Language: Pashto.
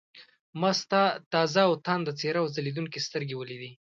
ما ستا تازه او تانده څېره او ځلېدونکې سترګې ولیدې.